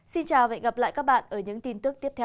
xin chào và hẹn gặp lại các bạn ở những tin tức tiếp theo